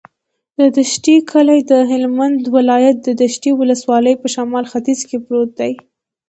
د دشټي کلی د هلمند ولایت، دشټي ولسوالي په شمال ختیځ کې پروت دی.